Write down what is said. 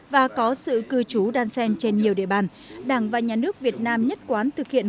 và có sự cư trú đan sen trên nhiều địa bàn đảng và nhà nước việt nam nhất quán thực hiện